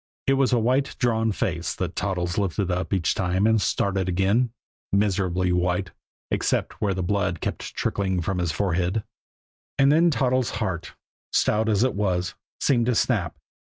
It was a white, drawn face that Toddles lifted up each time he started on again miserably white, except where the blood kept trickling from his forehead. And then Toddles' heart, stout as it was, seemed to snap.